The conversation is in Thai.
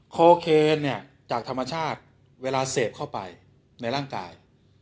โคเคนเนี่ยจากธรรมชาติเวลาเสพเข้าไปในร่างกาย